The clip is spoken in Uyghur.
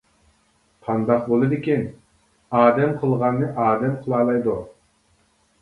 قانداق بولىدىكىن؟ ئادەم قىلغاننى ئادەم قىلالايدۇ.